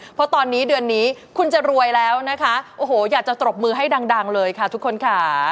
เพราะตอนนี้เดือนนี้คุณจะรวยแล้วนะคะโอ้โหอยากจะตรบมือให้ดังเลยค่ะทุกคนค่ะ